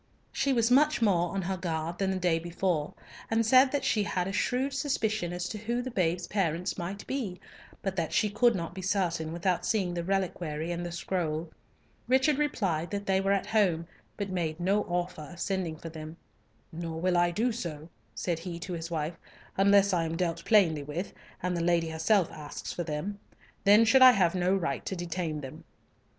She was much more on her guard than the day before, and said that she had a shrewd suspicion as to who the babe's parents might be, but that she could not be certain without seeing the reliquary and the scroll. Richard replied that they were at home, but made no offer of sending for them. "Nor will I do so," said he to his wife, "unless I am dealt plainly with, and the lady herself asks for them. Then should I have no right to detain them."